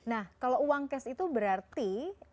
nah kalau uang cash itu berarti